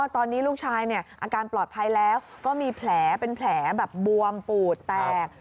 ตอนนี้ลูกชายอาการปลอดภัยแล้วก็มีแผลเป็นแผลแบบบวมปูดแตก